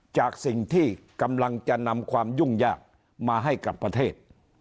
จากสิ่งที่กำลังจะนำความยุ่งยากมาให้กับประเทศ